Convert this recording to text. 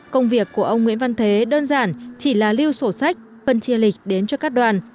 công việc của ông nguyễn văn thế đơn giản chỉ là lưu sổ sách phân chia lịch đến cho các đoàn